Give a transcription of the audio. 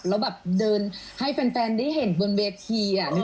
แล้วเดินให้แฟนได้เห็นบนเวทีนึกออกมาก